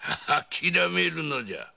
あきらめるのじゃ。